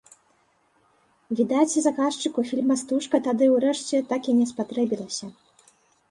Відаць, заказчыку фільма стужка тады ўрэшце так і не спатрэбілася.